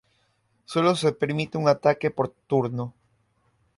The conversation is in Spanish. Sólo se permite un ataque por turno.